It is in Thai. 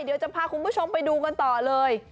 เดี๋ยวจะพาคุณผู้ชมไปดูกันต่อเลย